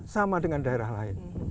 sama dengan daerah lain